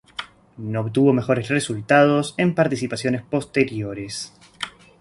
No obtuvo mejores resultados en participaciones posteriores.